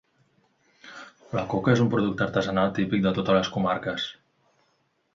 La coca és un producte artesanal típic de totes les comarques.